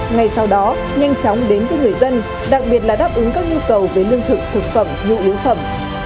ngay sau đó nhanh chóng đến với người dân đặc biệt là đáp ứng các nhu cầu về lương thực thực phẩm nhu yếu phẩm